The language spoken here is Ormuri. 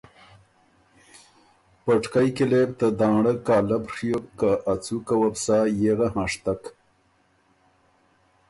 پټکئ کی لې بُو ته دانړۀ کالب ڒیوک که ا څُوکه وه بو سا یېغه هنشتک